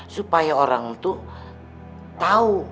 supaya orang tuh tau